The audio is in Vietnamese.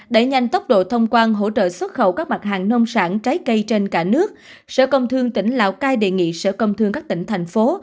đẩy nhanh tốc độ thông quan hỗ trợ xuất khẩu các mặt hàng nông sản trái cây trên cả nước sở công thương tỉnh lào cai đề nghị sở công thương các tỉnh thành phố